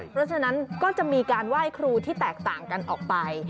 เพราะฉะนั้นก็จะมีการไหว้ครูที่แตกต่างกันออกไป